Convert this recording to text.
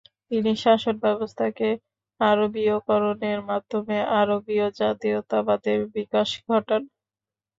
তিনি শাসনব্যবস্থাকে আরবীয়করণের মাধ্যমে আরবীয় জাতীয়তাবাদের বিকাশ ঘটান।